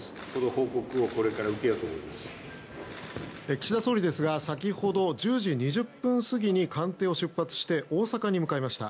岸田総理ですが先ほど１０時２０分過ぎに官邸を出発して大阪に向かいました。